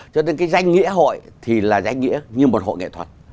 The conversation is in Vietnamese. cho nên cái danh nghĩa hội thì là danh nghĩa như một hội nghệ thuật